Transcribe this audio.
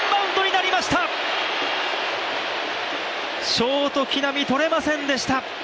ショート木浪、とれませんでした。